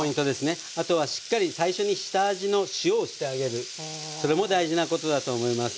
あとはしっかり最初に下味の塩をしてあげるそれも大事なことだと思います。